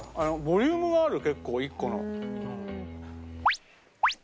ボリュームがある結構１個の。